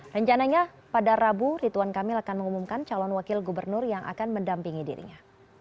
rencananya pada rabu rituan kamil akan mengumumkan calon wakil gubernur yang akan mendampingi dirinya